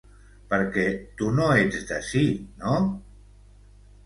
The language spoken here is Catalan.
Perquè tu no ets d’ací, no?